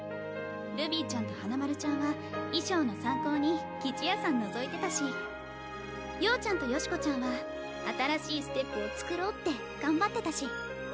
ルビィちゃんと花丸ちゃんは衣装の参考に生地屋さんのぞいてたし曜ちゃんと善子ちゃんは新しいステップを作ろうって頑張ってたし。